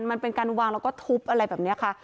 มันเป็นการวางแล้วก็ทุบอะไรแบบนี้ค่ะ